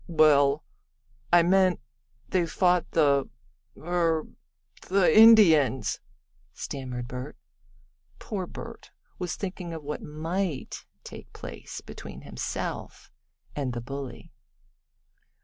"Well, I meant they fought the er the Indians," stammered Bert. Poor Bert was thinking of what might take place between himself and the bully.